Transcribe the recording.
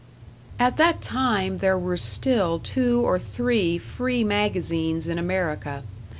At that time there were still two or three free magazines in America.